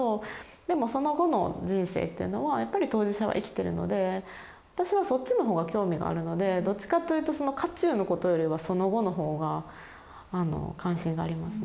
でもその後の人生っていうのはやっぱり当事者は生きてるので私はそっちのほうが興味があるのでどっちかというとその渦中のことよりはその後のほうが関心がありますね。